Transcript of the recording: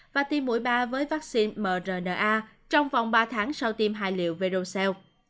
và tiêm mũi ba với vaccine mrna trong vòng ba tháng sau tiêm hai liệu verocell